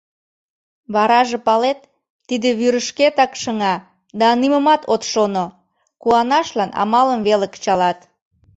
Вараже, палет, тиде вӱрышкетак шыҥа да нимомат от шоно... куанашлан амалым веле кычалат.